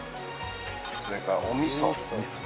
それからお味噌。